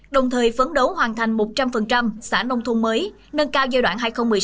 đồng thời phấn đấu hoàn thành một trăm linh xã nông thôn mới nâng cao giai đoạn hai nghìn một mươi một hai nghìn hai mươi